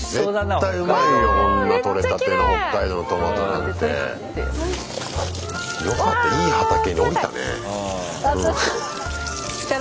絶対うまいよこんな採れたての北海道のトマトなんて。よかった。